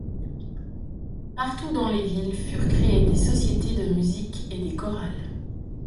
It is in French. Partout dans les villes furent créées des sociétés de musique et des chorales.